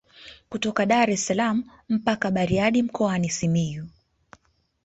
Kutoka Daressalaam mpaka Bariadi mkoani Simiyu